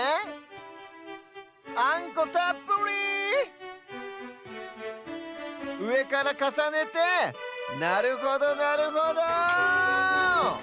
あんこたっぷり！うえからかさねてなるほどなるほど。